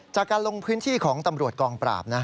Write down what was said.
จากการลงพื้นที่ของตำรวจกองปราบ